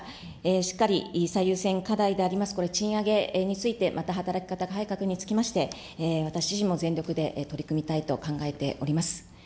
しっかり最優先課題であります、これ、賃上げについて、また働き方改革につきまして、私自身も全力で取り組みたいと考えております。